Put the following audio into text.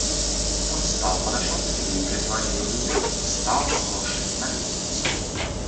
Он встал, подошел к двери, приотворил ее и стал слушать на лестницу.